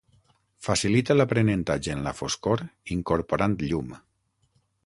Facilita l'aprenentatge en la foscor incorporant llum.